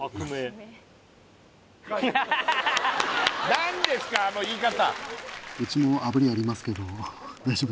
何ですかあの言い方